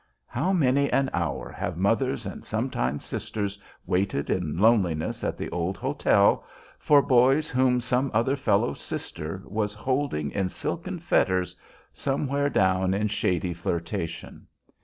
How many an hour have mothers and, sometimes, sisters waited in loneliness at the old hotel for boys whom some other fellow's sister was holding in silken fetters somewhere down in shady "Flirtation!"